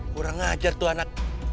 kurang ajar tuh anak